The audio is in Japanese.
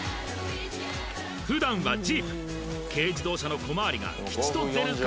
普段はジープ軽自動車の小回りが吉と出るか？